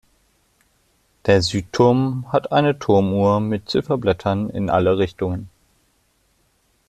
Der Südturm hat eine Turmuhr mit Zifferblättern in alle Richtungen.